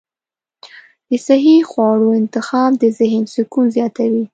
د صحي خواړو انتخاب د ذهن سکون زیاتوي.